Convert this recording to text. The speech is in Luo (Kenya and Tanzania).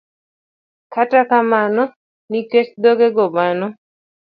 Kata kamano, nikech thoye go, mano